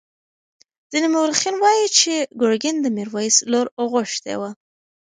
ځینې مورخین وایي چې ګرګین د میرویس لور غوښتې وه.